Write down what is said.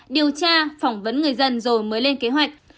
điều tra phỏng vấn người dân rồi mới lên kế hoạch